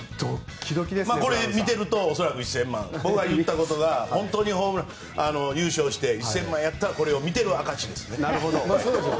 これ見ていると恐らく１０００万僕が言ったことが優勝して１０００万やったら見ている証しですね。